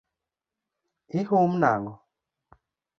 Ihum nang’o?